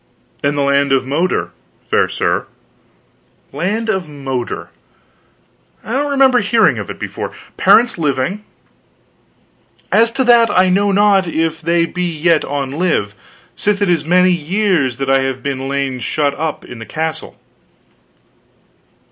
"In the land of Moder, fair sir." "Land of Moder. I don't remember hearing of it before. Parents living?" "As to that, I know not if they be yet on live, sith it is many years that I have lain shut up in the castle."